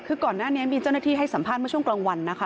คือก่อนหน้านี้มีเจ้าหน้าที่ให้สัมภาษณ์เมื่อช่วงกลางวันนะคะ